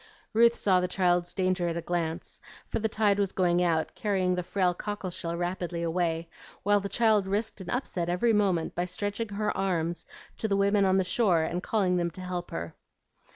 Ruth saw the child's danger at a glance, for the tide was going out, carrying the frail cockleshell rapidly away, while the child risked an upset every moment by stretching her arms to the women on the shore and calling them to help her.